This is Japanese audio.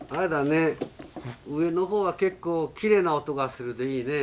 上の方は結構きれいな音がするでいいね。